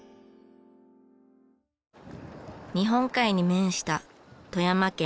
日本海に面した富山県氷見市。